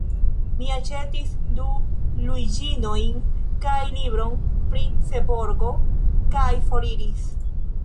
Mi aĉetis du luiĝinojn kaj libron pri Seborgo, kaj foriris.